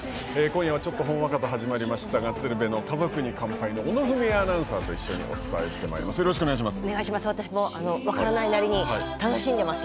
今夜はちょっとほんわかと始まりましたが「鶴瓶の家族に乾杯」の小野文惠アナウンサーとお伝えしてまいります。